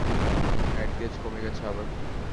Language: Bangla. গায়ের তেজ কমে গেছে আবার!